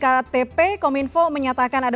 ktp kominfo menyatakan ada